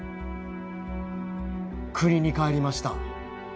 国に帰りました。